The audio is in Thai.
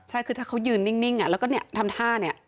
ใช่คือถ้าเขายืนนิ่งแล้วก็เนี่ยทำท่าเนี่ย